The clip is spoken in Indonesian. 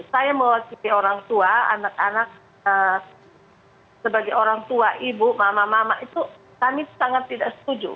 saya mewakili orang tua anak anak sebagai orang tua ibu mama mama itu kami sangat tidak setuju